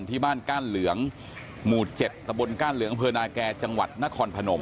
ที่บ้านก้านเหลืองหมู่๗ตะบนก้านเหลืองอำเภอนาแก่จังหวัดนครพนม